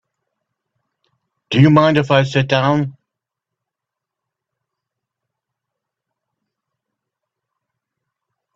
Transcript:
Do you mind if I sit down?